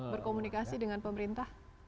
berkomunikasi dengan pemerintah